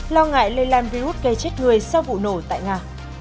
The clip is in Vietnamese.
lo ngại lây lan virus gây chết người sau vụ nổ tại nga